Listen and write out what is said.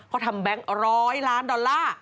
เขาทำแบงค์๑๐๐ล้านดอลลาร์